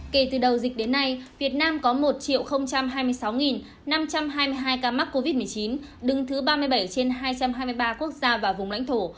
kể từ đầu dịch đến nay việt nam có một hai mươi sáu năm trăm hai mươi hai ca mắc covid một mươi chín đứng thứ ba mươi bảy trên hai trăm hai mươi ba quốc gia và vùng lãnh thổ